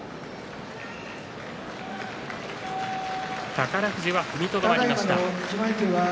宝富士は踏みとどまりました。